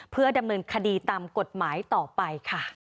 เพื่อดำเนินคดีตามกฎหมายต่อไปค่ะ